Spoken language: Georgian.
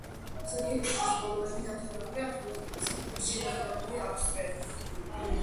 ზოგიერთი ჯვრის ბოლოები დამთავრებულია ღილაკებით, სამ ჯვარს შემოვლებული აქვს წრე.